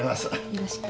よろしく。